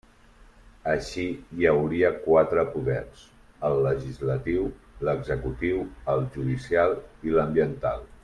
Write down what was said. Així, hi hauria quatre poders: el legislatiu, l'executiu, el judicial i l'ambiental.